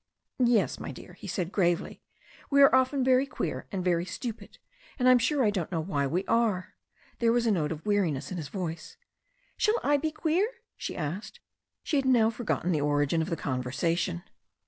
"Yes, my dear," he said gravely, "we are often very queer and very stupid, and I'm sure I don't know why we are." There was a note of weariness in his voice. "Shall I be queer?" she asked. She had now forgotten the origin of the conversation.